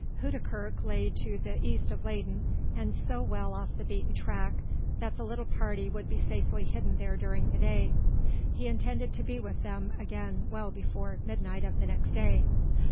Houdekerk lay to the east of Leyden and so well off the beaten track that the little party would be safely hidden there during the day; he intended to be with them again well before midnight of the next day.